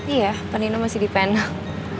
iya panino masih di penang